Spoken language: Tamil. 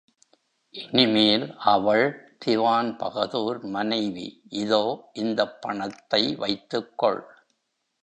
இனிமேல் அவள் திவான் பகதூர் மனைவி இதோ இந்தப் பணத்தை வைத்துக்கொள்.